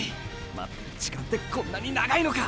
待ってる時間ってこんなに長いのか！！